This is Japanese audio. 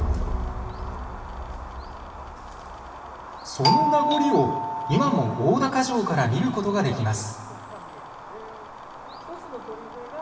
その名残を今も大高城から見ることができます。